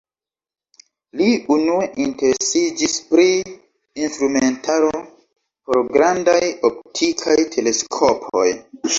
Li unue interesiĝis pri instrumentaro por grandaj optikaj teleskopoj.